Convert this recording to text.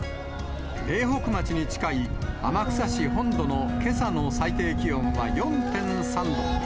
苓北町に近い天草市本渡のけさの最低気温は４．３度。